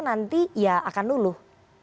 nanti ya akan luluh